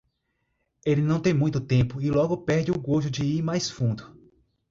Ele não tem muito tempo e logo perde o gosto de ir mais fundo.